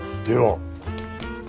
では。